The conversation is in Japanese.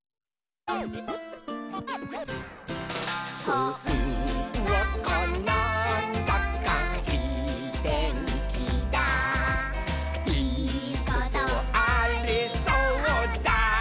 「ほんわかなんだかいいてんきだいいことありそうだ！」